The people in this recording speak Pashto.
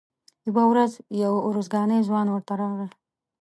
یوه ورځ یو ارزګانی ځوان ورته راغی.